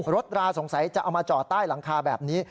ราสงสัยจะเอามาจอดใต้หลังคาแบบนี้